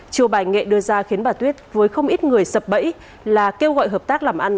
chiều bài nghệ đưa ra khiến bà tuyết với không ít người sập bẫy là kêu gọi hợp tác làm ăn